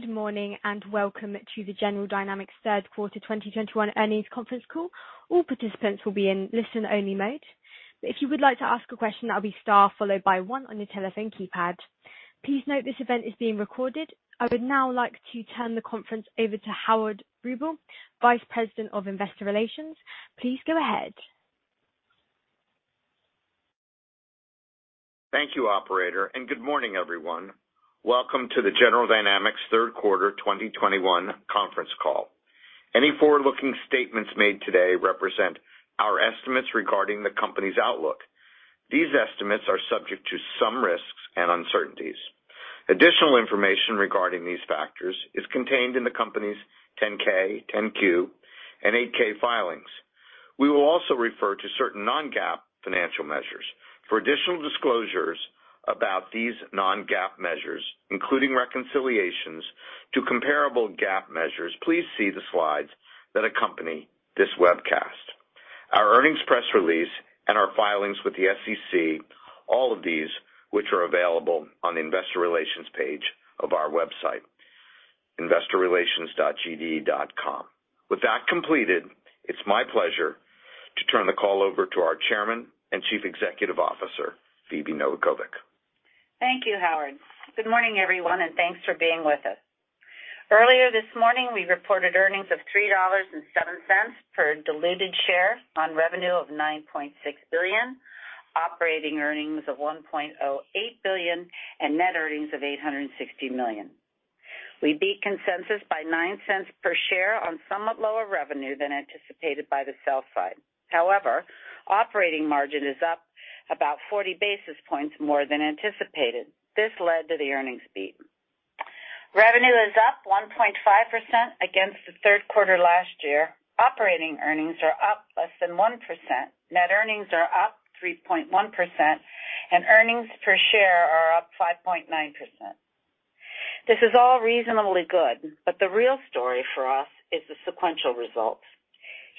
Good morning, and welcome to the General Dynamics Q3 2021 earnings conference call. All participants will be in listen-only mode. If you would like to ask a question, that'll be star followed by one on your telephone keypad. Please note this event is being recorded. I would now like to turn the conference over to Howard Rubel, Vice President of Investor Relations. Please go ahead. Thank you, operator, and good morning, everyone. Welcome to the General Dynamics Q3 2021 conference call. Any forward-looking statements made today represent our estimates regarding the company's outlook. These estimates are subject to some risks and uncertainties. Additional information regarding these factors is contained in the company's 10-K, 10-Q, and 8-K filings. We will also refer to certain non-GAAP financial measures. For additional disclosures about these non-GAAP measures, including reconciliations to comparable GAAP measures, please see the slides that accompany this webcast. Our earnings press release and our filings with the SEC, all of these, which are available on the investor relations page of our website, investorrelations.gd.com. With that completed, it's my pleasure to turn the call over to our Chairman and Chief Executive Officer, Phebe Novakovic. Thank you, Howard. Good morning, everyone, and thanks for being with us. Earlier this morning, we reported earnings of $3.07 per diluted share on revenue of $9.6 billion, operating earnings of $1.08 billion, and net earnings of $860 million. We beat consensus by $0.09 per share on somewhat lower revenue than anticipated by the sell side. However, operating margin is up about 40 basis points more than anticipated. This led to the earnings beat. Revenue is up 1.5% against the Q3 last year. Operating earnings are up less than 1%. Net earnings are up 3.1%, and earnings per share are up 5.9%. This is all reasonably good, but the real story for us is the sequential results.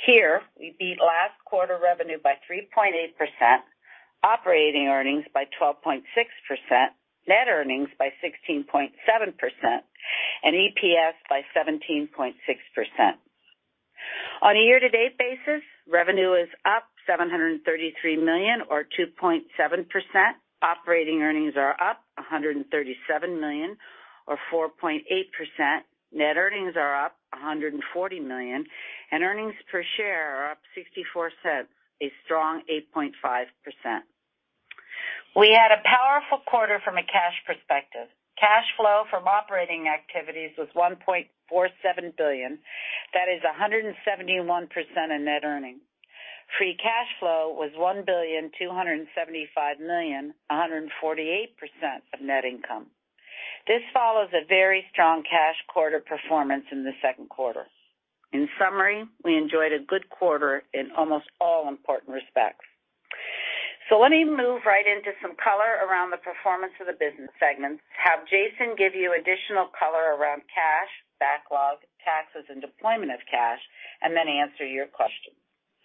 Here, we beat last quarter revenue by 3.8%, operating earnings by 12.6%, net earnings by 16.7%, and EPS by 17.6%. On a year-to-date basis, revenue is up $733 million or 2.7%. Operating earnings are up $137 million or 4.8%. Net earnings are up $140 million, and earnings per share are up $0.64, a strong 8.5%. We had a powerful quarter from a cash perspective. Cash flow from operating activities was $1.47 billion. That is 171% of net earnings. Free cash flow was $1.275 billion, 148% of net income. This follows a very strong cash quarter performance in the Q2. In summary, we enjoyed a good quarter in almost all important respects. Let me move right into some color around the performance of the business segments, have Jason give you additional color around cash, backlog, taxes, and deployment of cash, and then answer your questions.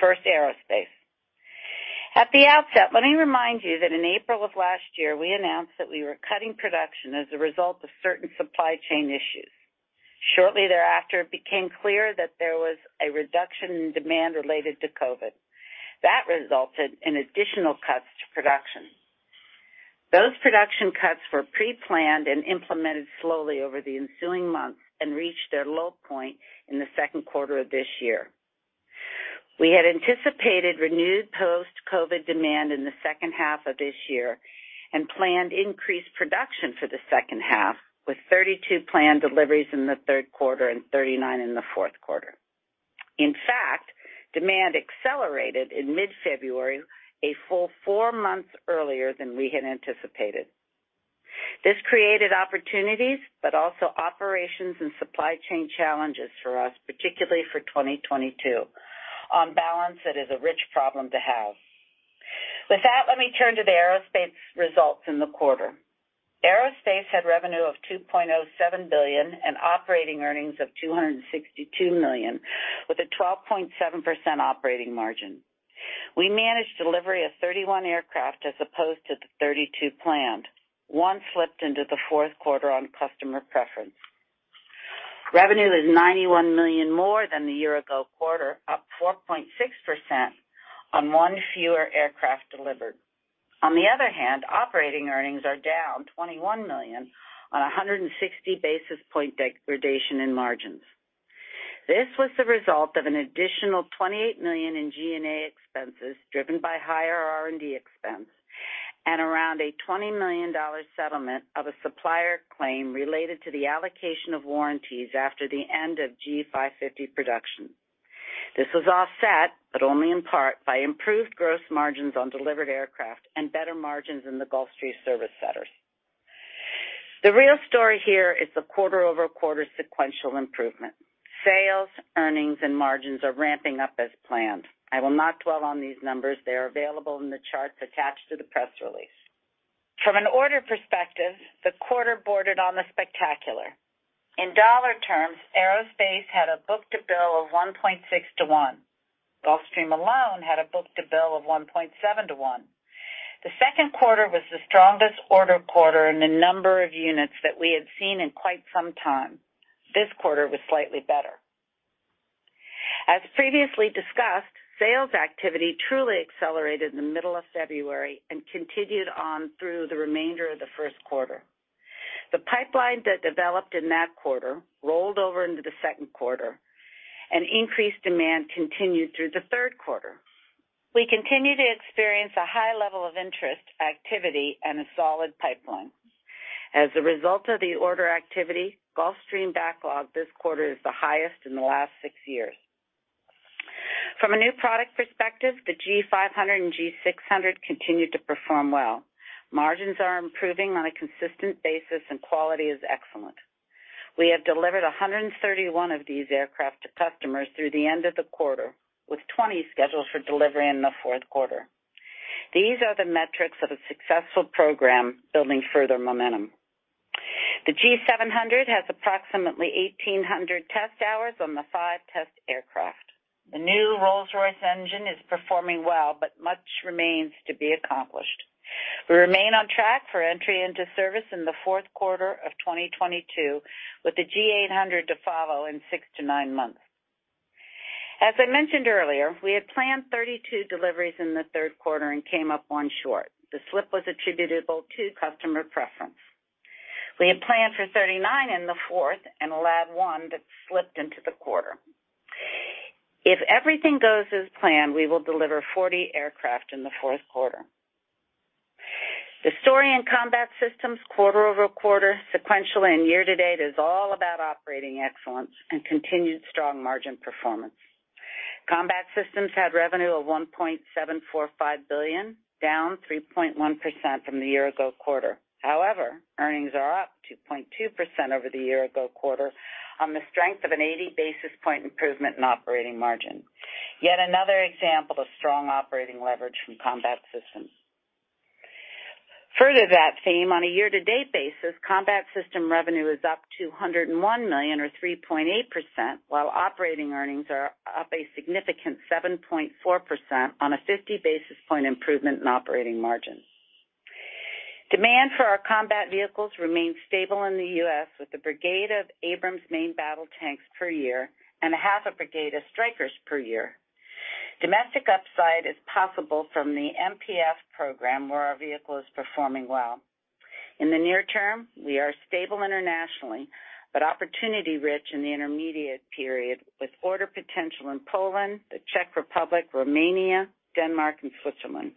First, Aerospace. At the outset, let me remind you that in April of last year, we announced that we were cutting production as a result of certain supply chain issues. Shortly thereafter, it became clear that there was a reduction in demand related to COVID. That resulted in additional cuts to production. Those production cuts were preplanned and implemented slowly over the ensuing months and reached their low point in the Q2 of this year. We had anticipated renewed post-COVID demand in the H2 of this year and planned increased production for the H2, with 32 planned deliveries in the Q3 and 39 in the Q4. In fact, demand accelerated in mid-February a full four months earlier than we had anticipated. This created opportunities but also operations and supply chain challenges for us, particularly for 2022. On balance, it is a rich problem to have. With that, let me turn to the Aerospace results in the quarter. Aerospace had revenue of $2.07 billion and operating earnings of $262 million, with a 12.7% operating margin. We managed delivery of 31 aircraft as opposed to the 32 planned. One slipped into the Q4 on customer preference. Revenue is $91 million more than the year-ago quarter, up 4.6% on 1 fewer aircraft delivered. On the other hand, operating earnings are down $21 million on a 160 basis point degradation in margins. This was the result of an additional $28 million in G&A expenses driven by higher R&D expense and around a $20 million settlement of a supplier claim related to the allocation of warranties after the end of G550 production. This was offset, but only in part, by improved gross margins on delivered aircraft and better margins in the Gulfstream service centers. The real story here is the quarter-over-quarter sequential improvement. Sales, earnings, and margins are ramping up as planned. I will not dwell on these numbers. They are available in the charts attached to the press release. From an order perspective, the quarter bordered on the spectacular. In dollar terms, aerospace had a book-to-bill of 1.6 to 1. Gulfstream alone had a book-to-bill of 1.7 to 1. The Q2 was the strongest order quarter in the number of units that we had seen in quite some time. This quarter was slightly better. As previously discussed, sales activity truly accelerated in the middle of February and continued on through the remainder of the Q1. The pipeline that developed in that quarter rolled over into the Q2 and increased demand continued through the Q3. We continue to experience a high level of interest, activity, and a solid pipeline. As a result of the order activity, Gulfstream backlog this quarter is the highest in the last six years. From a new product perspective, the G500 and G600 continue to perform well. Margins are improving on a consistent basis and quality is excellent. We have delivered 131 of these aircraft to customers through the end of the quarter, with 20 scheduled for delivery in the Q4. These are the metrics of a successful program building further momentum. The G700 has approximately 1,800 test hours on the five-test aircraft. The new Rolls-Royce engine is performing well, but much remains to be accomplished. We remain on track for entry into service in the Q4 of 2022, with the G800 to follow in six to nine months. As I mentioned earlier, we had planned 32 deliveries in the Q3 and came up one short. The slip was attributable to customer preference. We had planned for 39 in the fourth and allowed one that slipped into the quarter. If everything goes as planned, we will deliver 40 aircraft in the Q4. The story in Combat Systems quarter-over-quarter, sequentially and year-to-date is all about operating excellence and continued strong margin performance. Combat Systems had revenue of $1.745 billion, down 3.1% from the year-ago quarter. However, earnings are up 2.2% over the year-ago quarter on the strength of an 80 basis point improvement in operating margin. Yet another example of strong operating leverage from Combat Systems. Further that theme, on a year-to-date basis, Combat Systems revenue is up $201 million or 3.8%, while operating earnings are up a significant 7.4% on a 50 basis point improvement in operating margin. Demand for our combat vehicles remains stable in the U.S. with a brigade of Abrams main battle tanks per year and a half a brigade of Strykers per year. Domestic upside is possible from the MPF program where our vehicle is performing well. In the near term, we are stable internationally, but opportunity-rich in the intermediate period with order potential in Poland, the Czech Republic, Romania, Denmark and Switzerland.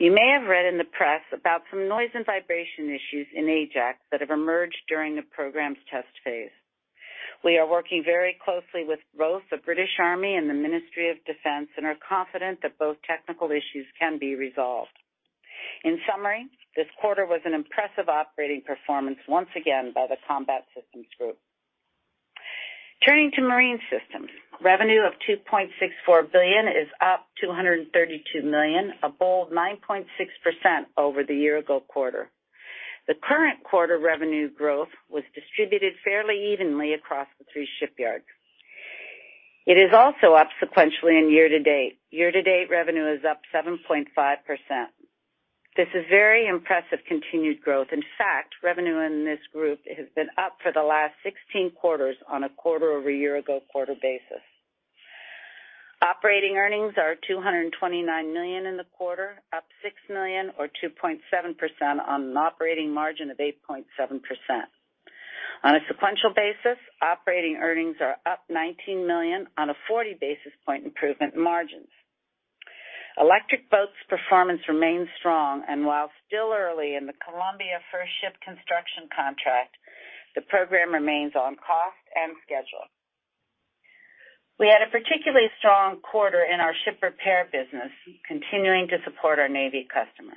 You may have read in the press about some noise and vibration issues in Ajax that have emerged during the program's test phase. We are working very closely with both the British Army and the Ministry of Defence and are confident that both technical issues can be resolved. In summary, this quarter was an impressive operating performance once again by the Combat Systems Group. Turning to Marine Systems. Revenue of $2.64 billion is up $232 million, a solid 9.6% over the year-ago quarter. The current quarter revenue growth was distributed fairly evenly across the three shipyards. It is also up sequentially in year to date. Year to date revenue is up 7.5%. This is very impressive, continued growth. In fact, revenue in this group has been up for the last 16 quarters on a quarter over year ago quarter basis. Operating earnings are $229 million in the quarter, up $6 million or 2.7% on an operating margin of 8.7%. On a sequential basis, operating earnings are up $19 million on a 40 basis point improvement in margins. Electric Boat's performance remains strong and while still early in the Columbia first ship construction contract, the program remains on cost and schedule. We had a particularly strong quarter in our ship repair business, continuing to support our Navy customer.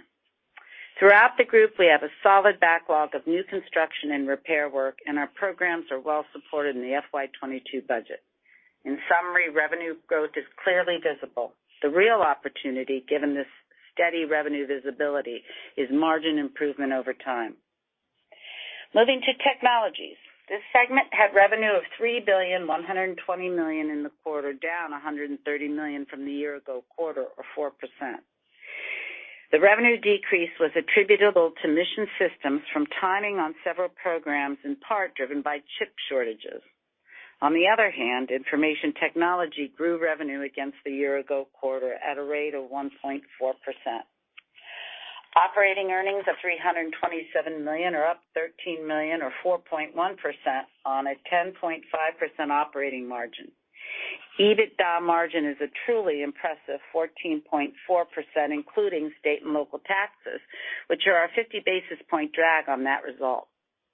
Throughout the group, we have a solid backlog of new construction and repair work, and our programs are well supported in the FY 2022 budget. In summary, revenue growth is clearly visible. The real opportunity, given this steady revenue visibility, is margin improvement over time. Moving to technologies. This segment had revenue of $3.12 billion in the quarter, down $130 million from the year-ago quarter or 4%. The revenue decrease was attributable to Mission Systems from timing on several programs, in part driven by chip shortages. On the other hand, Information Technology grew revenue against the year-ago quarter at a rate of 1.4%. Operating earnings of $327 million are up $13 million or 4.1% on a 10.5% operating margin. EBITDA margin is a truly impressive 14.4%, including state and local taxes, which are our 50 basis point drag on that result.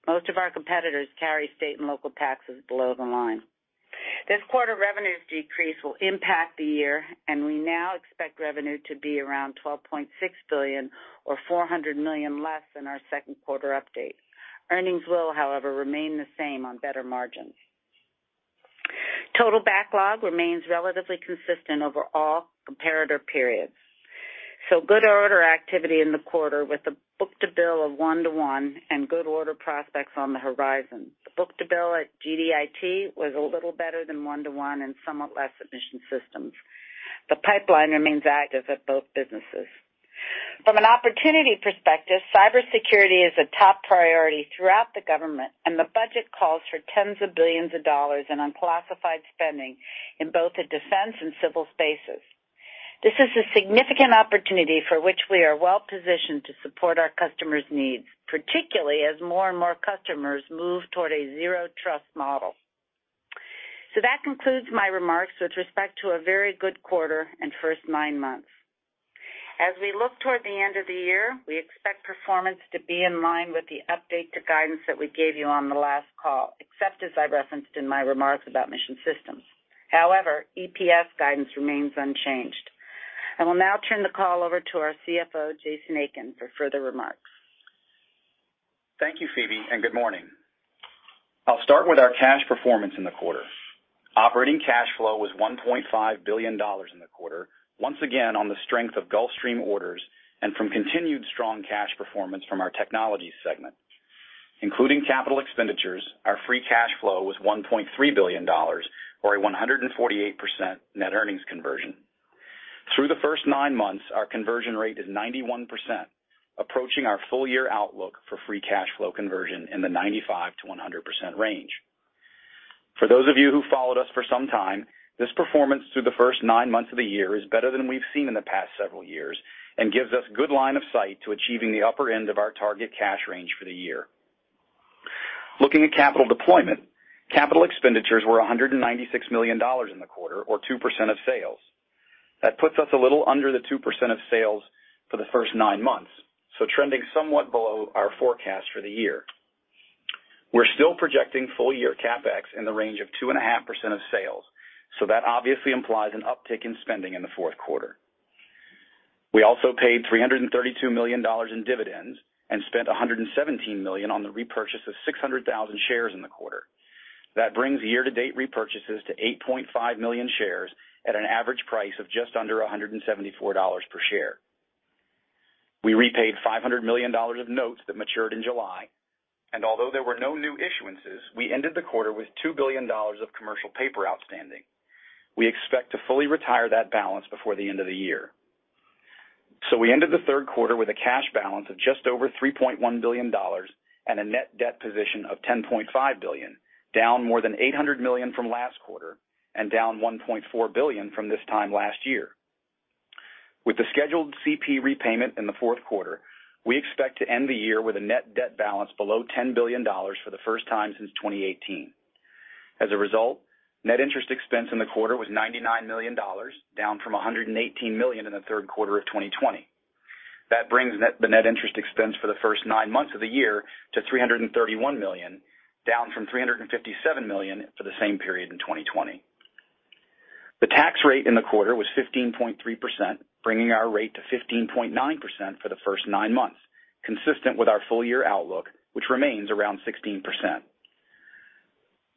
Most of our competitors carry state and local taxes below the line. This quarter revenues decrease will impact the year, and we now expect revenue to be around $12.6 billion or $400 million less than our Q2 update. Earnings will, however, remain the same on better margins. Total backlog remains relatively consistent over all comparator periods. Good order activity in the quarter with a book-to-bill of 1:1 and good order prospects on the horizon. The book-to-bill at GDIT was a little better than 1:1 and somewhat less at Mission Systems. The pipeline remains active at both businesses. From an opportunity perspective, cybersecurity is a top priority throughout the government, and the budget calls for tens of billions of dollars in unclassified spending in both the defense and civil spaces. This is a significant opportunity for which we are well-positioned to support our customers' needs, particularly as more and more customers move toward a Zero Trust model. That concludes my remarks with respect to a very good quarter and first nine months. As we look toward the end of the year, we expect performance to be in line with the update to guidance that we gave you on the last call, except as I referenced in my remarks about Mission Systems. However, EPS guidance remains unchanged. I will now turn the call over to our CFO, Jason Aiken, for further remarks. Thank you, Phebe, and good morning. I'll start with our cash performance in the quarter. Operating cash flow was $1.5 billion in the quarter, once again on the strength of Gulfstream orders and from continued strong cash performance from our Technologies segment. Including capital expenditures, our free cash flow was $1.3 billion, or 148% net earnings conversion. Through the first nine months, our conversion rate is 91%, approaching our full-year outlook for free cash flow conversion in the 95 to 100% range. For those of you who followed us for some time, this performance through the first nine months of the year is better than we've seen in the past several years and gives us good line of sight to achieving the upper end of our target cash range for the year. Looking at capital deployment, capital expenditures were $196 million in the quarter, or 2% of sales. That puts us a little under the 2% of sales for the first nine months, so trending somewhat below our forecast for the year. We're still projecting full-year CapEx in the range of 2.5% of sales, so that obviously implies an uptick in spending in the Q4. We also paid $332 million in dividends and spent $117 million on the repurchase of 600,000 shares in the quarter. That brings year-to-date repurchases to 8.5 million shares at an average price of just under $174 per share. We repaid $500 million of notes that matured in July, and although there were no new issuances, we ended the quarter with $2 billion of commercial paper outstanding. We expect to fully retire that balance before the end of the year. We ended the Q3 with a cash balance of just over $3.1 billion and a net debt position of $10.5 billion, down more than $800 million from last quarter and down $1.4 billion from this time last year. With the scheduled CP repayment in the Q4, we expect to end the year with a net debt balance below $10 billion for the first time since 2018. As a result, net interest expense in the quarter was $99 million, down from $118 million in the Q3 of 2020. That brings the net interest expense for the first nine months of the year to $331 million, down from $357 million for the same period in 2020. The tax rate in the quarter was 15.3%, bringing our rate to 15.9% for the first nine months, consistent with our full-year outlook, which remains around 16%.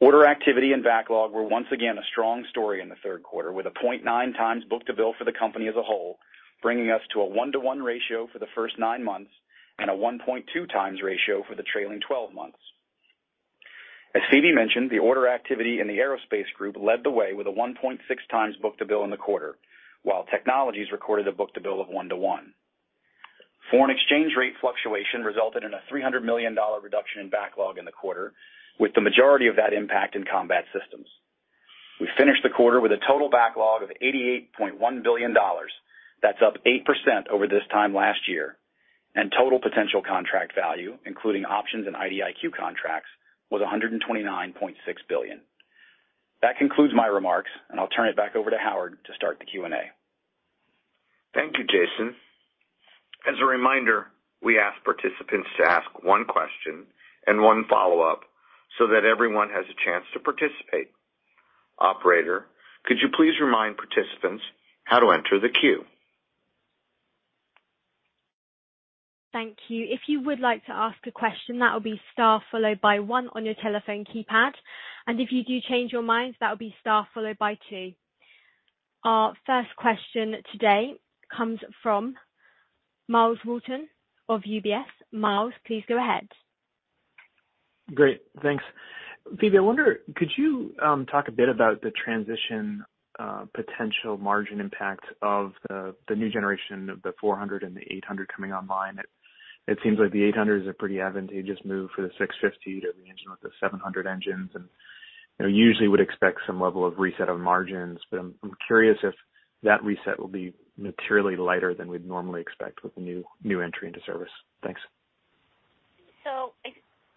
Order activity and backlog were once again a strong story in the Q3, with a 0.9 times book-to-bill for the company as a whole, bringing us to a 1:1 ratio for the first nine months and a 1.2 times ratio for the trailing twelve months. As Phebe mentioned, the order activity in the Aerospace group led the way with a 1.6 times book-to-bill in the quarter, while Technologies recorded a book-to-bill of 1:1. Foreign exchange rate fluctuation resulted in a $300 million reduction in backlog in the quarter, with the majority of that impact in Combat Systems. We finished the quarter with a total backlog of $88.1 billion. That's up 8% over this time last year, and total potential contract value, including options and IDIQ contracts, was $129.6 billion. That concludes my remarks, and I'll turn it back over to Howard to start the Q&A. Thank you, Jason. As a reminder, we ask participants to ask one question and one follow-up so that everyone has a chance to participate. Operator, could you please remind participants how to enter the queue? Thank you. If you would like to ask a question, that will be star followed by one on your telephone keypad. If you do change your mind, that will be star followed by two. Our first question today comes from Myles Walton of UBS. Myles, please go ahead. Great, thanks. Phebe, I wonder, could you talk a bit about the transition, potential margin impact of the new generation of the G400 and the G800 coming online? It seems like the G800 is a pretty advantageous move for the G650 to the engine with the G700 engines. You know, usually would expect some level of reset of margins, but I'm curious if that reset will be materially lighter than we'd normally expect with the new entry into service. Thanks.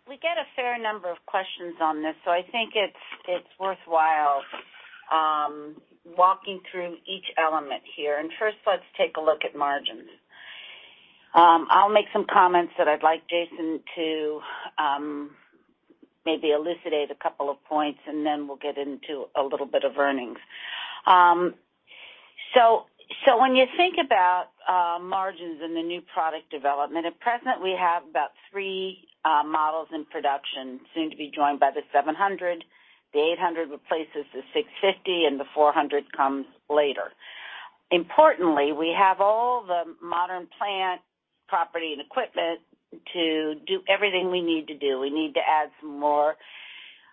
We get a fair number of questions on this, so I think it's worthwhile walking through each element here. First, let's take a look at margins. I'll make some comments that I'd like Jason to maybe elucidate a couple of points, and then we'll get into a little bit of earnings. When you think about margins in the new product development, at present we have about 3 models in production, soon to be joined by the G700. The G800 replaces the G650, and the G400 comes later. Importantly, we have all the modern plant property and equipment to do everything we need to do. We need to add some more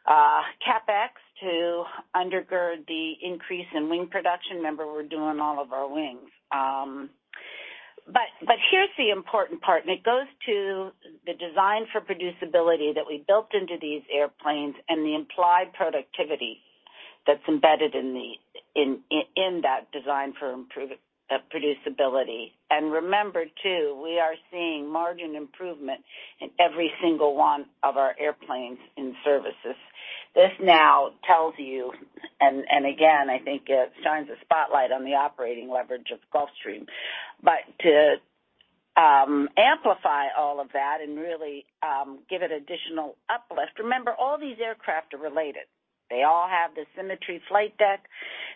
CapEx to undergird the increase in wing production. Remember, we're doing all of our wings. Here's the important part, and it goes to the design for producibility that we built into these airplanes and the implied productivity that's embedded in that design for improved producibility. Remember, too, we are seeing margin improvement in every single one of our airplanes in services. This now tells you, again, I think it shines a spotlight on the operating leverage of Gulfstream. To amplify all of that and really give it additional uplift. Remember, all these aircraft are related. They all have the Symmetry Flight Deck.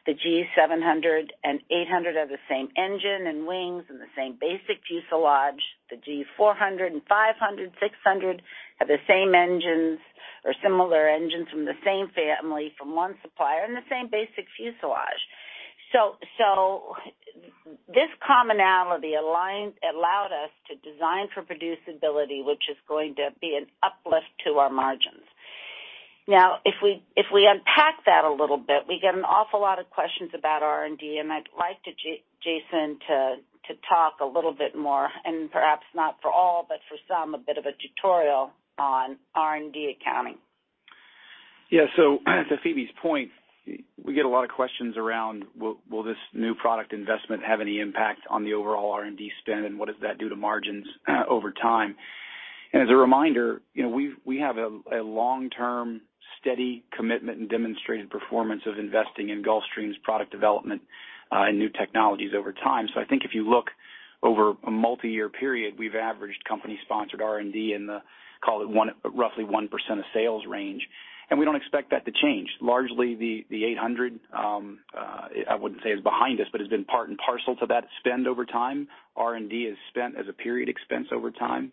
The G700 and G800 have the same engine and wings and the same basic fuselage. The G400 and G500, G600 have the same engines or similar engines from the same family, from one supplier, and the same basic fuselage. This commonality alliance allowed us to design for producibility, which is going to be an uplift to our margins. Now, if we unpack that a little bit, we get an awful lot of questions about R&D, and I'd like Jason to talk a little bit more, and perhaps not for all, but for some, a bit of a tutorial on R&D accounting. Yeah. To Phebe's point, we get a lot of questions around will this new product investment have any impact on the overall R&D spend, and what does that do to margins over time? As a reminder, you know, we have a long-term steady commitment and demonstrated performance of investing in Gulfstream's product development and new technologies over time. I think if you look over a multiyear period, we've averaged company-sponsored R&D in the, call it roughly 1% of sales range, and we don't expect that to change. Largely, the 800 I wouldn't say is behind us, but has been part and parcel to that spend over time. R&D spend is a period expense over time.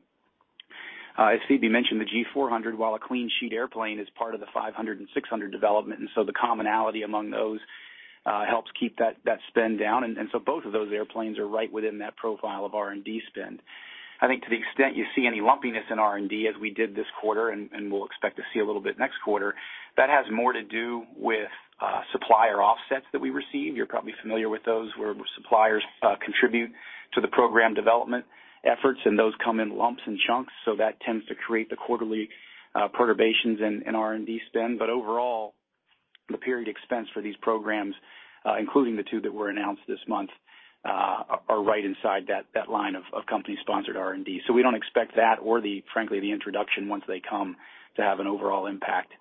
As Phoebe mentioned, the G400, while a clean sheet airplane, is part of the 500 and 600 developments, and so the commonality among those helps keep that spend down. Both of those airplanes are right within that profile of R&D spend. I think to the extent you see any lumpiness in R&D as we did this quarter and we'll expect to see a little bit next quarter, that has more to do with supplier offsets that we receive. You're probably familiar with those, where suppliers contribute to the program development efforts, and those come in lumps and chunks, so that tends to create the quarterly perturbations in R&D spend. Overall, the period expense for these programs, including the two that were announced this month, are right inside that line of company-sponsored R&D. We don't expect that or the frankly the introduction once they come to have an overall impact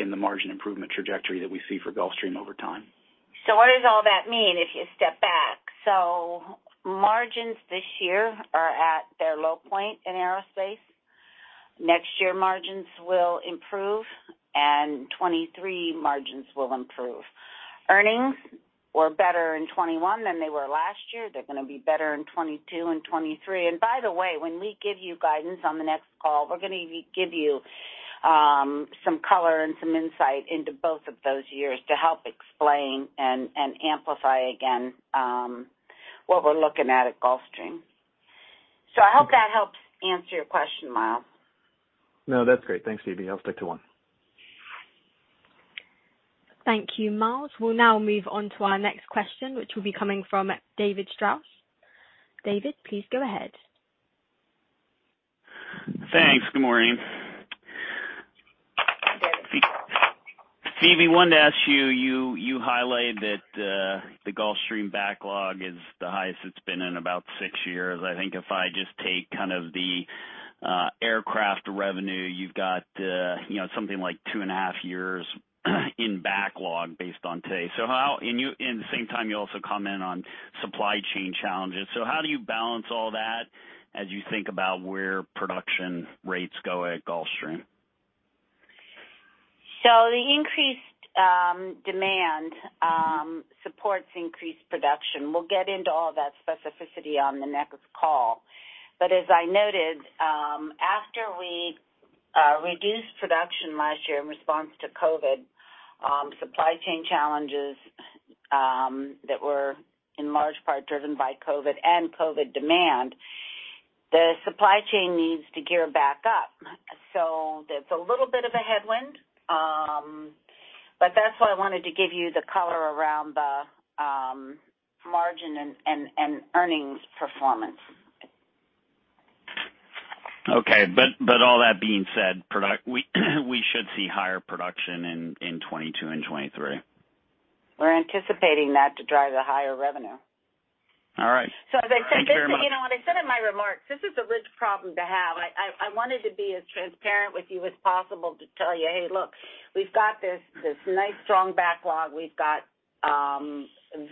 in the margin improvement trajectory that we see for Gulfstream over time. What does all that mean if you step back? Margins this year are at their low point in aerospace. Next year, margins will improve, and 2023 margins will improve. Earnings were better in 2021 than they were last year. They're gonna be better in 2022 and 2023. By the way, when we give you guidance on the next call, we're gonna give you some color and some insight into both of those years to help explain and amplify again what we're looking at Gulfstream. I hope that helps answer your question, Miles. No, that's great. Thanks, Phebe. I'll stick to one. Thank you, Miles. We'll now move on to our next question, which will be coming from David Strauss. David, please go ahead. Thanks. Good morning. Phebe, wanted to ask you highlighted that the Gulfstream backlog is the highest it's been in about six years. I think if I just take kind of the aircraft revenue, you've got you know, something like two and a half years in backlog based on today. And at the same time, you also comment on supply chain challenges. How do you balance all that as you think about where production rates go at Gulfstream? The increased demand supports increased production. We'll get into all that specificity on the next call. As I noted, after we reduced production last year in response to COVID, supply chain challenges that were in large part driven by COVID and COVID demand, the supply chain needs to gear back up. That's a little bit of a headwind, but that's why I wanted to give you the color around the margin and earnings performance. Okay. All that being said, we should see higher production in 2022 and 2023. We're anticipating that to drive the higher revenue. All right. Thank you very much. You know what I said in my remarks, this is a rich problem to have. I wanted to be as transparent with you as possible to tell you, "Hey look, we've got this nice strong backlog. We've got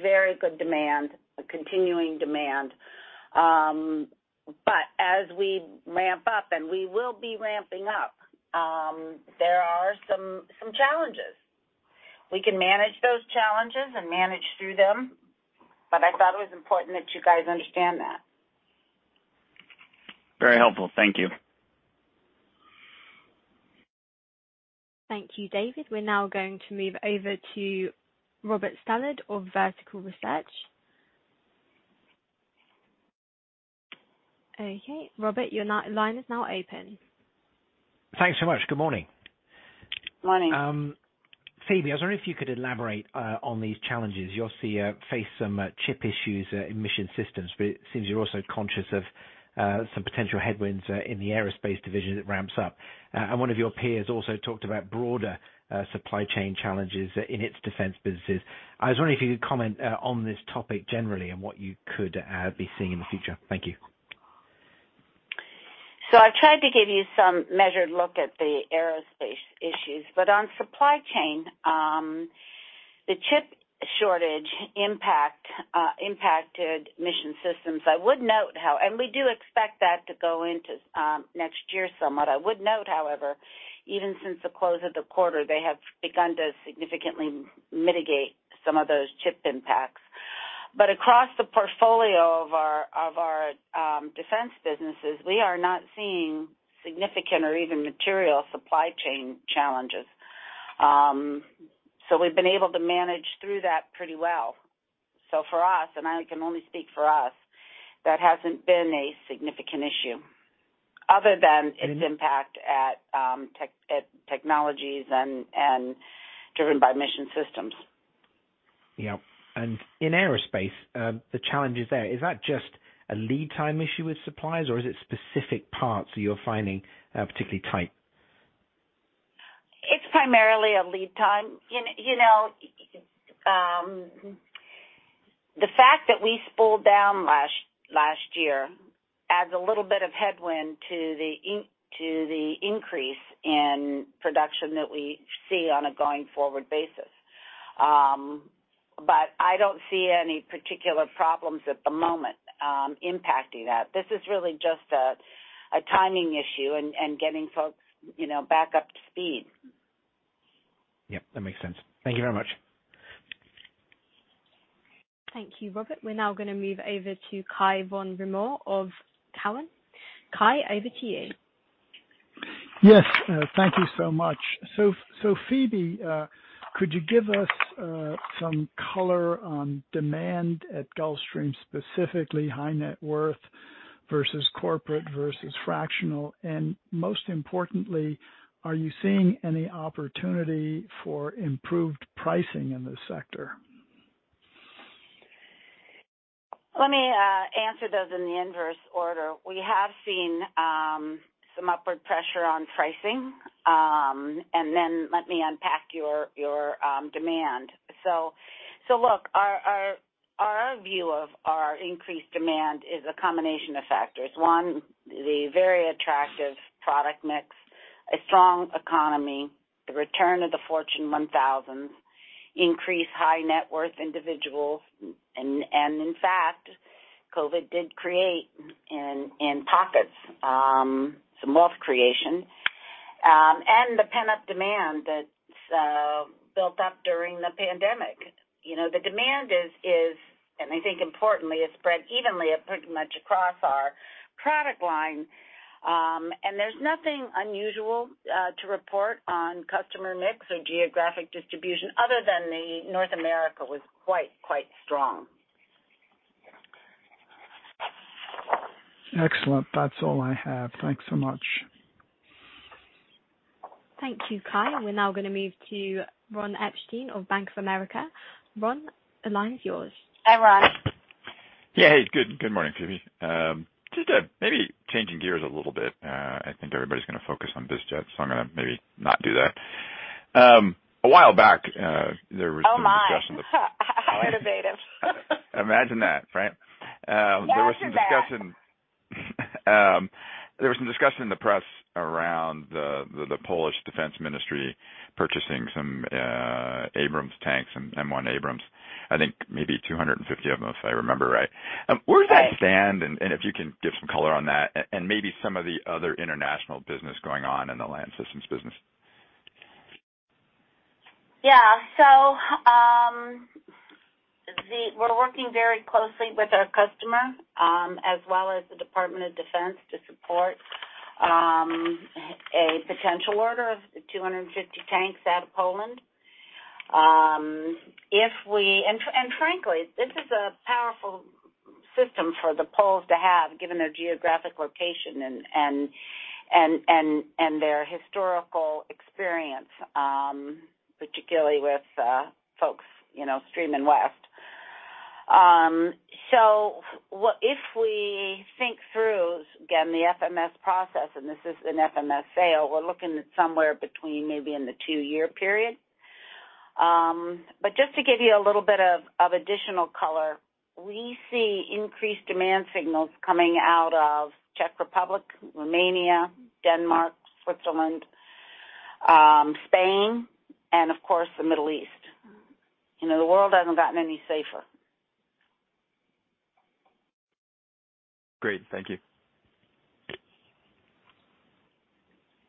very good demand, a continuing demand." As we ramp up, and we will be ramping up, there are some challenges. We can manage those challenges and manage through them, but I thought it was important that you guys understand that. Very helpful. Thank you. Thank you, David. We're now going to move over to Robert Stallard of Vertical Research. Okay, Robert, your line is now open. Thanks so much. Good morning. Morning. Phebe, I was wondering if you could elaborate on these challenges. You obviously face some chip issues in Mission Systems, but it seems you're also conscious of some potential headwinds in the aerospace division that ramps up. One of your peers also talked about broader supply chain challenges in its defense businesses. I was wondering if you could comment on this topic generally and what you could be seeing in the future. Thank you. I tried to give you some measured look at the aerospace issues, on supply chain, the chip shortage impact impacted Mission Systems. I would note we do expect that to go into next year somewhat. I would note, however, even since the close of the quarter, they have begun to significantly mitigate some of those chip impacts. Across the portfolio of our defense businesses, we are not seeing significant or even material supply chain challenges. We've been able to manage through that pretty well. For us, and I can only speak for us, that hasn't been a significant issue other than its impact at technologies and driven by Mission Systems. Yeah. In aerospace, the challenges there, is that just a lead time issue with suppliers, or is it specific parts that you're finding, particularly tight? It's primarily a lead time. You know, the fact that we spooled down last year adds a little bit of headwind to the increase in production that we see on a going forward basis. I don't see any particular problems at the moment impacting that. This is really just a timing issue and getting folks, you know, back up to speed. Yeah, that makes sense. Thank you very much. Thank you, Robert. We're now gonna move over to Cai von Rumohr of Cowen. Cai, over to you. Yes. Thank you so much. Phebe, could you give us some color on demand at Gulfstream, specifically high net worth versus corporate versus fractional? Most importantly, are you seeing any opportunity for improved pricing in this sector? Let me answer those in the inverse order. We have seen some upward pressure on pricing and then let me unpack your demand. Look, our view of our increased demand is a combination of factors. One, the very attractive product mix, a strong economy, the return of the Fortune 1000, increased high net worth individuals, and in fact, COVID did create in pockets some wealth creation, and the pent-up demand that built up during the pandemic. You know, the demand is, and I think importantly, it's spread evenly pretty much across our product line. There's nothing unusual to report on customer mix or geographic distribution other than North America was quite strong. Excellent. That's all I have. Thanks so much. Thank you, Kai. We're now gonna move to Ronald Epstein of Bank of America. Ron, the line is yours. Hi, Ron. Yeah. Hey, good morning, Phebe. Just maybe changing gears a little bit. I think everybody's gonna focus on BizJet, so I'm gonna maybe not do that. A while back, there was some discussion- Oh, my. How innovative. Imagine that, right? Yes, Ron. There was some discussion in the press around the Polish Ministry of National Defence purchasing some Abrams tanks, M1 Abrams. I think maybe 250 of them, if I remember right. Right. Where does that stand? If you can give some color on that and maybe some of the other international business going on in the Land Systems business. Yeah. We're working very closely with our customer, as well as the Department of Defense to support a potential order of 250 tanks out of Poland. Frankly, this is a powerful system for the Poles to have, given their geographic location and their historical experience, particularly with folks, you know, streaming west. If we think through, again, the FMS process, and this is an FMS sale, we're looking at somewhere between maybe in the two-year period. Just to give you a little bit of additional color, we see increased demand signals coming out of Czech Republic, Romania, Denmark, Switzerland, Spain, and of course, the Middle East. You know, the world hasn't gotten any safer. Great. Thank you.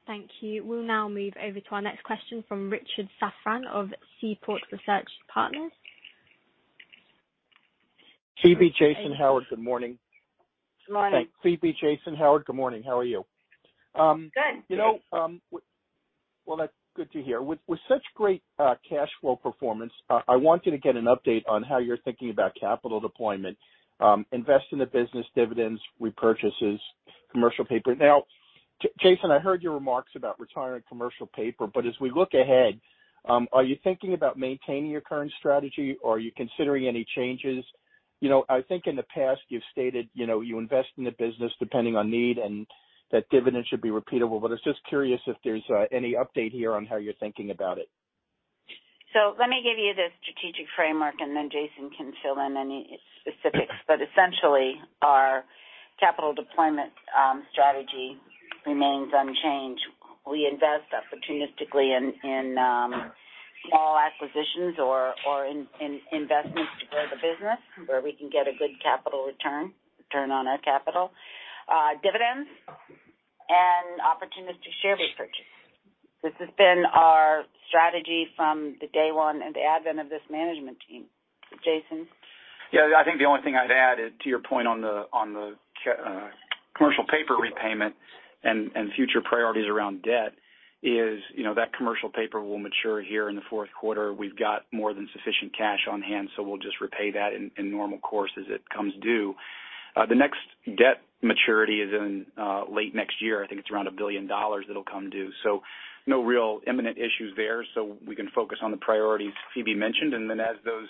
Thank you. We'll now move over to our next question from Richard Safran of Seaport Research Partners. Phebe, Jason, Howard, good morning. Good morning. Thanks. Phebe, Jason, Howard, good morning. How are you? Good. You know, well, that's good to hear. With such great cash flow performance, I wanted to get an update on how you're thinking about capital deployment, invest in the business dividends, repurchases, commercial paper. Now, Jason, I heard your remarks about retiring commercial paper, but as we look ahead, are you thinking about maintaining your current strategy, or are you considering any changes? You know, I think in the past you've stated, you know, you invest in the business depending on need and that dividends should be repeatable. I was just curious if there's any update here on how you're thinking about it. Let me give you the strategic framework, and then Jason can fill in any specifics. Essentially, our capital deployment strategy remains unchanged. We invest opportunistically in small acquisitions or in investments to grow the business where we can get a good capital return on our capital, dividends and opportunistic share repurchase. This has been our strategy from the day one and the advent of this management team. Jason? Yeah, I think the only thing I'd add is to your point on the commercial paper repayment and future priorities around debt is, you know, that commercial paper will mature here in the Q4. We've got more than sufficient cash on hand, so we'll just repay that in normal course as it comes due. The next debt maturity is in late next year. I think it's around $1 billion that'll come due, so no real imminent issues there. So, we can focus on the priorities Phoebe mentioned. Then as those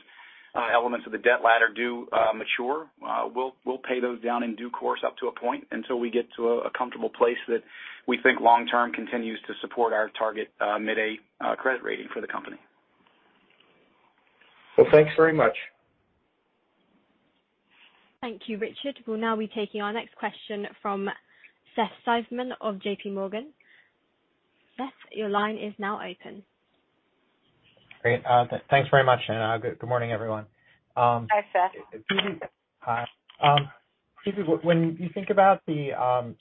elements of the debt ladder do mature, we'll pay those down in due course up to a point until we get to a comfortable place that we think long term continues to support our target mid-A credit rating for the company. Well, thanks very much. Thank you, Richard. We'll now be taking our next question from Seth Seifman of J.P. Morgan. Seth, your line is now open. Great. Thanks very much, and good morning, everyone. Hi, Seth. Phebe. Hi. Phebe, when you think about the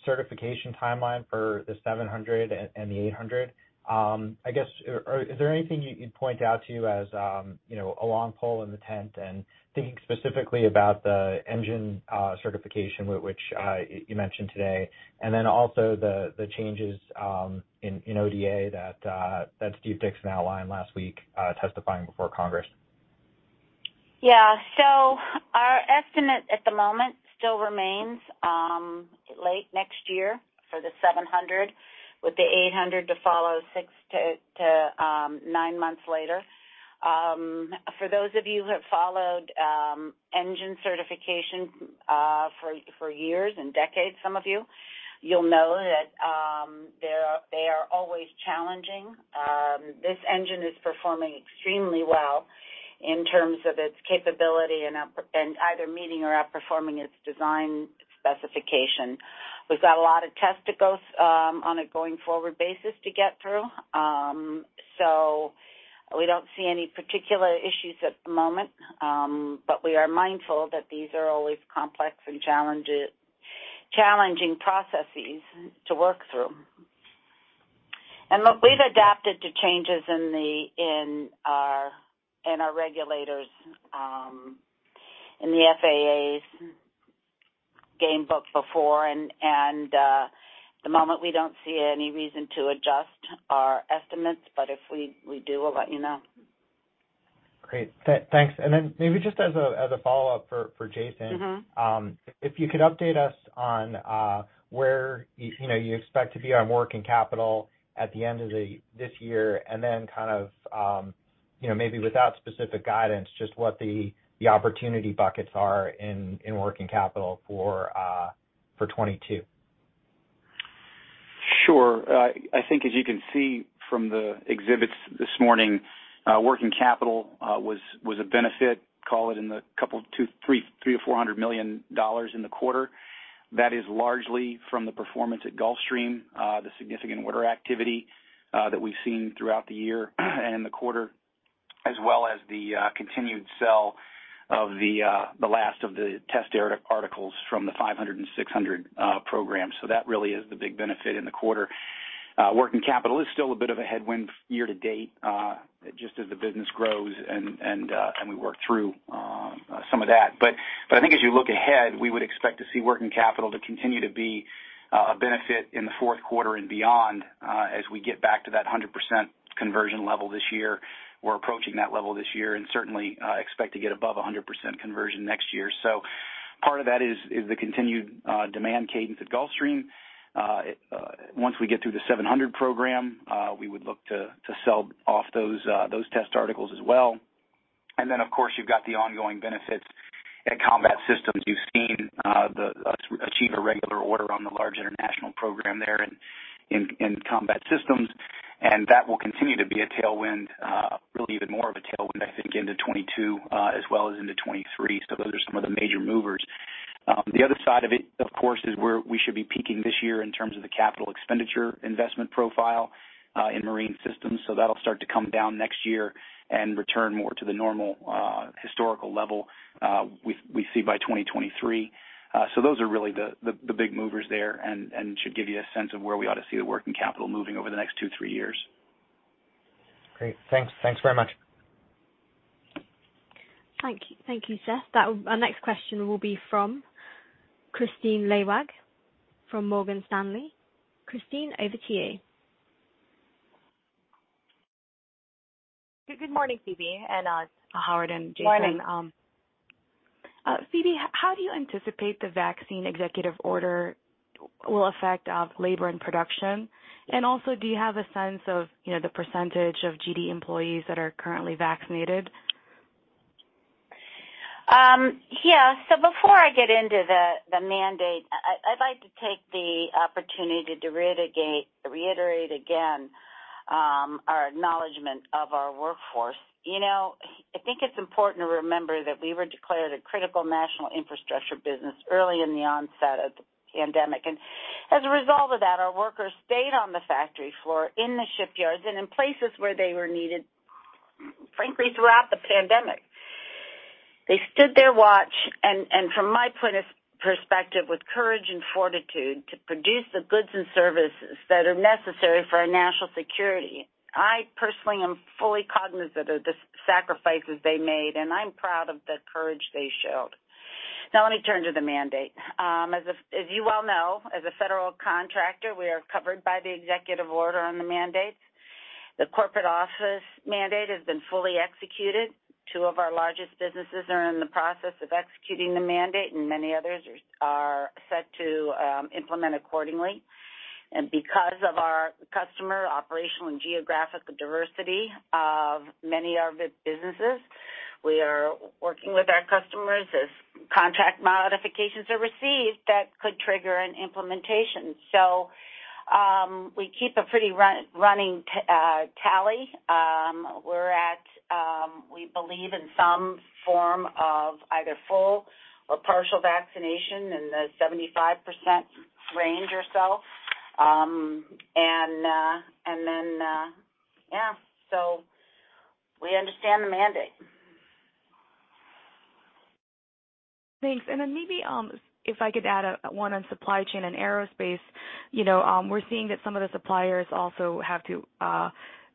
certification timeline for the 700 and the 800, I guess or is there anything you can point out to as, you know, a long pole in the tent? Thinking specifically about the engine certification which you mentioned today, and then also the changes in ODA that Steve Dickson outlined last week, testifying before Congress. Yeah. Our estimate at the moment still remains late next year for the G700, with the G800 to follow 6 to 9 months later. For those of you who have followed engine certification for years and decades, some of you'll know that they are always challenging. This engine is performing extremely well in terms of its capability and either meeting or outperforming its design specification. We've got a lot of tests to go on a going forward basis to get through. We don't see any particular issues at the moment. We are mindful that these are always complex and challenging processes to work through. Look, we've adapted to changes in our regulators in the FAA's game book before. At the moment we don't see any reason to adjust our estimates, but if we do, we'll let you know. Great. Thanks. Maybe just as a follow-up for Jason. If you could update us on where you know you expect to be on working capital at the end of this year and then kind of you know maybe without specific guidance, just what the opportunity buckets are in working capital for 2022. I think as you can see from the exhibits this morning, working capital was a benefit, call it in the $200 to 300 to 400 million in the quarter. That is largely from the performance at Gulfstream, the significant order activity that we've seen throughout the year and in the quarter, as well as the continued sale of the last of the test articles from the G500 and G600 programs. That really is the big benefit in the quarter. Working capital is still a bit of a headwind year to date, just as the business grows and we work through some of that. I think as you look ahead, we would expect to see working capital to continue to be a benefit in the Q4 and beyond, as we get back to that 100% conversion level this year. We're approaching that level this year and certainly expect to get above 100% conversion next year. Part of that is the continued demand cadence at Gulfstream. Once we get through the G700 program, we would look to sell off those test articles as well. Then of course you've got the ongoing benefits at Combat Systems. You've seen us achieve a regular order on the large international program there in Combat Systems, and that will continue to be a tailwind, really even more of a tailwind, I think, into 2022, as well as into 2023. Those are some of the major movers. The other side of it, of course, is where we should be peaking this year in terms of the capital expenditure investment profile in Marine Systems. That'll start to come down next year and return more to the normal historical level we see by 2023. Those are really the big movers there and should give you a sense of where we ought to see the working capital moving over the next two, three years. Great. Thanks. Thanks very much. Thank you, Seth. Our next question will be from Kristine Liwag from Morgan Stanley. Khristine, over to you. Good morning, Phebe, and Howard and Jason. Morning. Phebe, how do you anticipate the vaccine executive order will affect labor and production? Also, do you have a sense of, you know, the percentage of GD employees that are currently vaccinated? Yeah. Before I get into the mandate, I'd like to take the opportunity to reiterate again our acknowledgment of our workforce. You know, I think it's important to remember that we were declared a critical national infrastructure business early in the onset of the pandemic. As a result of that, our workers stayed on the factory floor, in the shipyards and in places where they were needed, frankly, throughout the pandemic. They stood their watch and from my perspective, with courage and fortitude to produce the goods and services that are necessary for our national security. I personally am fully cognizant of the sacrifices they made, and I'm proud of the courage they showed. Now let me turn to the mandate. As you well know, as a federal contractor, we are covered by the executive order on the mandates. The corporate office mandate has been fully executed. Two of our largest businesses are in the process of executing the mandate, and many others are set to implement accordingly. Because of our customer operational and geographic diversity of many of the businesses, we are working with our customers as contract modifications are received that could trigger an implementation. We keep a pretty running tally. We believe in some form of either full or partial vaccination in the 75% range or so. We understand the mandate. Thanks. Maybe, if I could add, one on supply chain and aerospace. You know, we're seeing that some of the suppliers also have to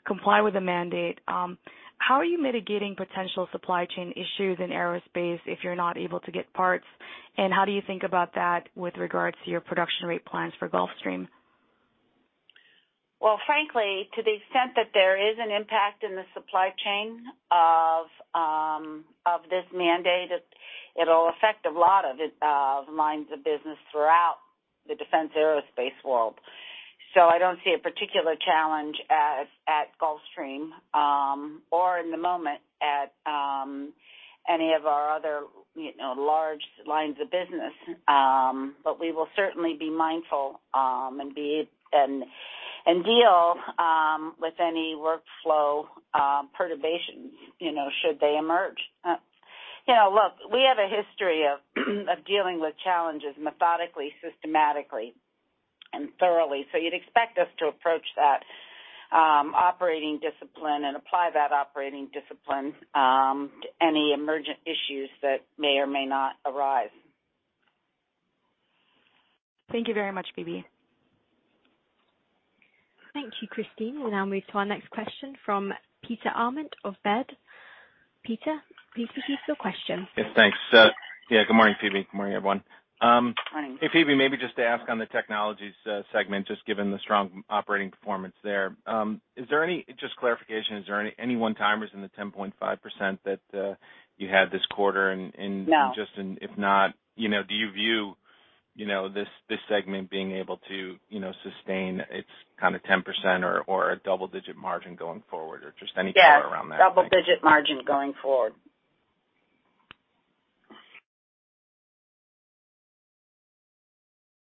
comply with the mandate. How are you mitigating potential supply chain issues in aerospace if you're not able to get parts? How do you think about that with regards to your production rate plans for Gulfstream? Well, frankly, to the extent that there is an impact in the supply chain of this mandate, it'll affect a lot of lines of business throughout the defense aerospace world. I don't see a particular challenge at Gulfstream, or in the moment at any of our other, you know, large lines of business. We will certainly be mindful and deal with any workflow perturbations, you know, should they emerge. You know, look, we have a history of dealing with challenges methodically, systematically, and thoroughly. You'd expect us to approach that operating discipline and apply that operating discipline to any emergent issues that may or may not arise. Thank you very much, Phebe. Thank you, Kristine. We'll now move to our next question from Peter Arment of Baird. Peter, please proceed with your question. Yes, thanks. Yeah, good morning, Phoebe. Good morning, everyone. Morning. Hey, Phebe, maybe just to ask on the Technologies segment, just given the strong operating performance there, is there any clarification? Is there anyone-timers in the 10.5% that you had this quarter and No. Just, and if not, you know, do you view, you know, this segment being able to, you know, sustain its kind of 10% or a double-digit margin going forward or just any thought around that, thanks. Yes, double-digit margin going forward.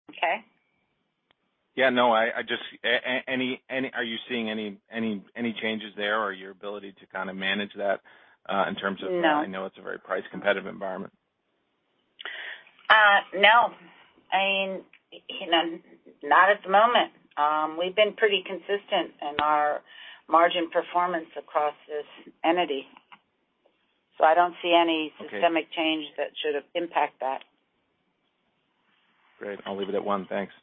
Okay? Are you seeing any changes there or your ability to kind of manage that in terms of- No. I know it's a very price competitive environment. No. I mean, you know, not at the moment. We've been pretty consistent in our margin performance across this entity, so I don't see any. Okay. Systemic change that should impact that. Great. I'll leave it at one. Thanks.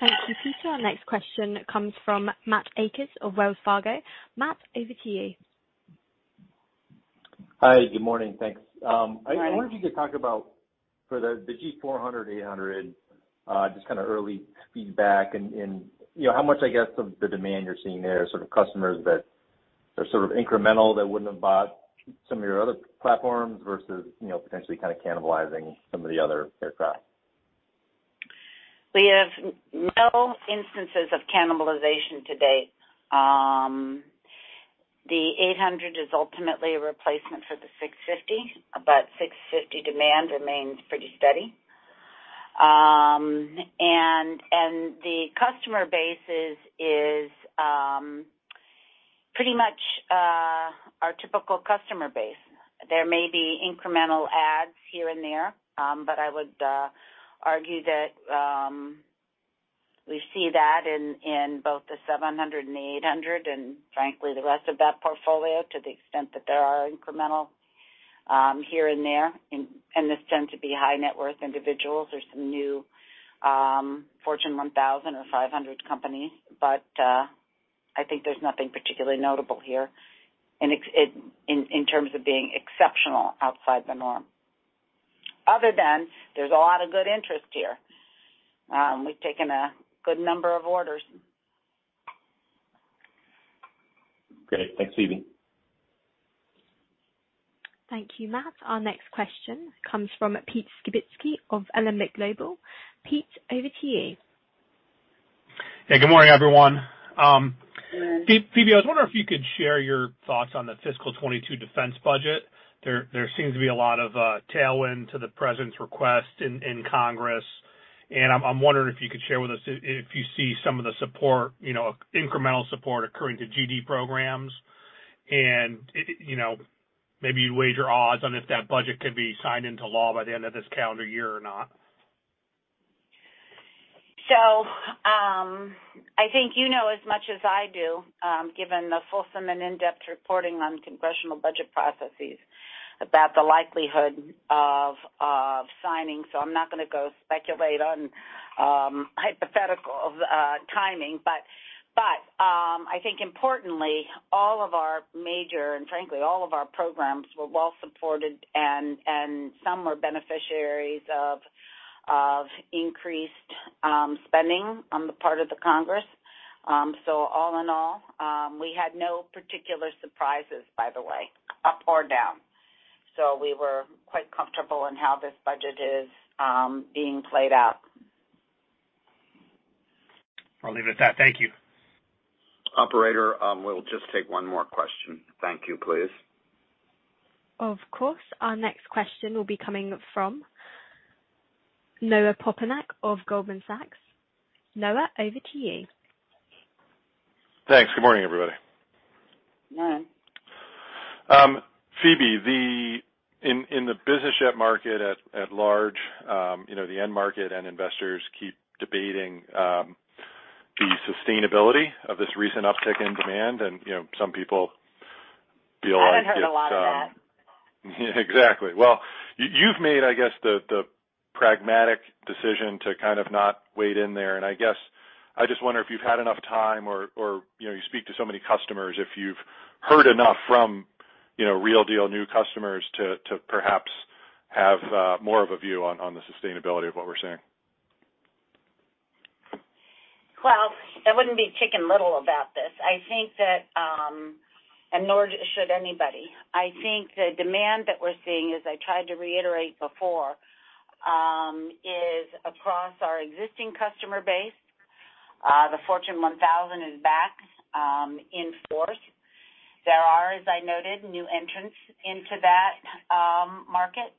Thank you, Peter. Our next question comes from Matthew Akers of Wells Fargo. Matt, over to you. Hi, good morning. Thanks. Morning. I wonder if you could talk about the G400, G800, just kind of early feedback and, you know, how much, I guess, of the demand you're seeing there, sort of customers that are sort of incremental that wouldn't have bought some of your other platforms versus, you know, potentially kind of cannibalizing some of the other aircraft. We have no instances of cannibalization to date. The 800 is ultimately a replacement for the 650, but 650 demand remains pretty steady. The customer base is pretty much our typical customer base. There may be incremental adds here and there, but I would argue that we see that in both the 700 and 800 and frankly, the rest of that portfolio to the extent that there are incremental here and there, and this tends to be high net worth individuals or some new Fortune 1000 or 500 companies. I think there's nothing particularly notable here in terms of being exceptional outside the norm. Other than there's a lot of good interest here. We've taken a good number of orders. Great. Thanks, Phebe. Thank you, Matt. Our next question comes from Peter Skibitski of Alembic Global. Pete, over to you. Hey, good morning, everyone. Good morning. Phebe, I was wondering if you could share your thoughts on the fiscal 2022 defense budget. There seems to be a lot of tailwind to the President's request in Congress. I'm wondering if you could share with us if you see some of the support, you know, incremental support accruing to GD programs. You know, maybe you'd wager your odds on if that budget could be signed into law by the end of this calendar year or not. I think you know as much as I do, given the fulsome and in-depth reporting on congressional budget processes about the likelihood of signing. I'm not gonna go speculate on hypothetical timing. I think importantly, all of our major and frankly, all of our programs were well supported, and some were beneficiaries of increased spending on the part of the Congress. All in all, we had no particular surprises, by the way, up or down. We were quite comfortable in how this budget is being played out. I'll leave it at that. Thank you. Operator, we'll just take one more question. Thank you, please. Of course. Our next question will be coming from Noah Poponak of Goldman Sachs. Noah, over to you. Thanks. Good morning, everybody. Good morning. Phebe, in the business jet market at large, you know, the end market and investors keep debating the sustainability of this recent uptick in demand. You know, some people feel like it's I haven't heard a lot of that. Exactly. Well, you've made, I guess, the pragmatic decision to kind of not wade in there. I guess I just wonder if you've had enough time or, you know, you speak to so many customers, if you've heard enough from, you know, real-deal new customers to perhaps have more of a view on the sustainability of what we're seeing. Well, I wouldn't be chicken little about this. I think that, and nor should anybody. I think the demand that we're seeing, as I tried to reiterate before, is across our existing customer base. The Fortune 1000 is back, in force. There are, as I noted, new entrants into that market,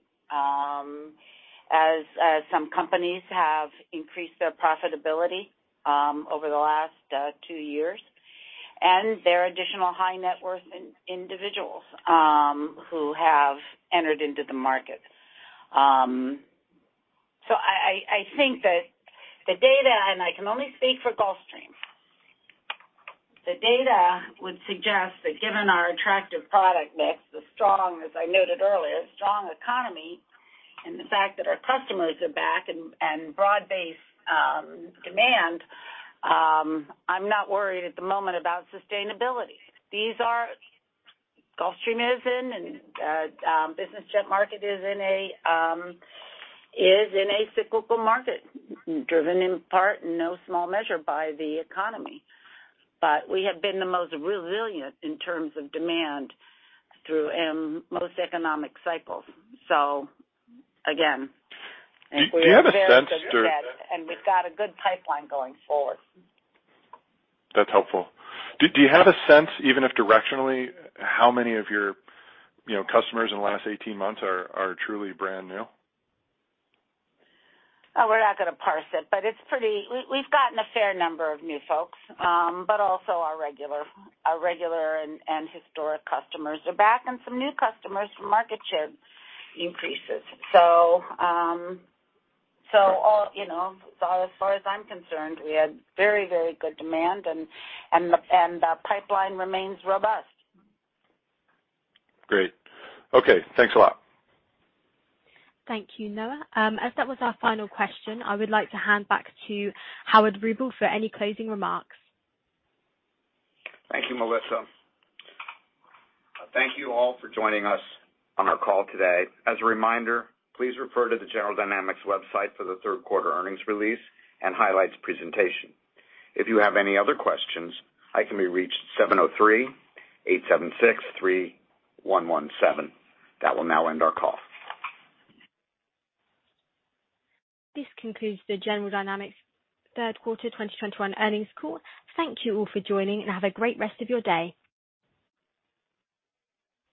as some companies have increased their profitability, over the last two years. There are additional high net worth individuals, who have entered into the market. I think that the data, and I can only speak for Gulfstream. The data would suggest that given our attractive product mix, the strong, as I noted earlier, strong economy and the fact that our customers are back and broad-based demand, I'm not worried at the moment about sustainability. These are. Gulfstream is in the business jet market, which is in a cyclical market driven in part in no small measure by the economy. We have been the most resilient in terms of demand through most economic cycles. Again, I think we are very good. Do you have a sense to- We've got a good pipeline going forward. That's helpful. Do you have a sense, even if directionally, how many of your, you know, customers in the last 18 months are truly brand new? We're not gonna parse it, but it's pretty. We've gotten a fair number of new folks, but also our regular and historic customers are back, and some new customers from market share increases. All, you know, so as far as I'm concerned, we had very good demand and the pipeline remains robust. Great. Okay. Thanks a lot. Thank you, Noah. As that was our final question, I would like to hand back to Howard Rubel for any closing remarks. Thank you, Melissa. Thank you all for joining us on our call today. As a reminder, please refer to the General Dynamics website for the Q3 earnings release and highlights presentation. If you have any other questions, I can be reached at 703-876-3117. That will now end our call. This concludes the General Dynamics Q3 2021 earnings call. Thank you all for joining, and have a great rest of your day.